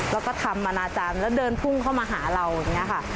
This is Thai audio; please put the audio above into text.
แล้วก็ทำอนาจารย์แล้วเดินพุ่งเข้ามาหาเราอย่างนี้ค่ะ